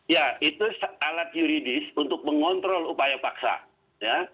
ya itu alat yuridis untuk mengontrol upaya paksa ya